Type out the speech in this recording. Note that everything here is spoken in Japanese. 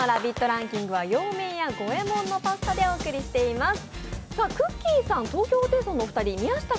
ランキングは洋麺屋五右衛門のパスタでお送りしています。